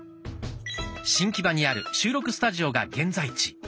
新木場にある収録スタジオが現在地。